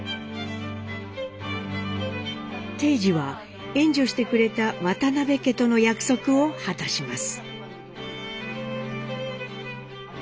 貞次は援助してくれた渡邉家との約束を果たします。